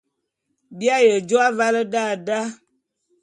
Bi aye jô avale da da.